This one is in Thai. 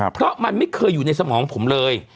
เพราะมันไม่เคยอยู่ในสมองผมเลย